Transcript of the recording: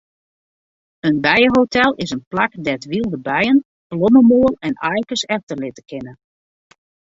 In bijehotel is in plak dêr't wylde bijen blommemoal en aaikes efterlitte kinne.